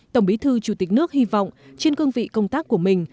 tổng bí thư chủ tịch nước hy vọng trên cương vị công tác của mình